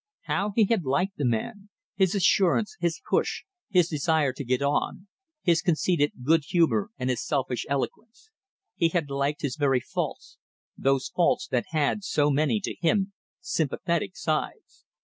How he had liked the man: his assurance, his push, his desire to get on, his conceited good humour and his selfish eloquence. He had liked his very faults those faults that had so many, to him, sympathetic sides.